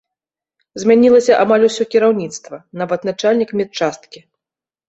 Змянілася амаль усё кіраўніцтва, нават начальнік медчасткі.